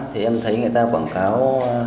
thì em thấy người ta quảng cáo